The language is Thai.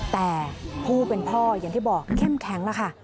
แต่ผู้เป็นพ่ออย่างที่บอกเข้มแข็งแล้วค่ะ